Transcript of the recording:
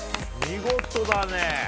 見事だね。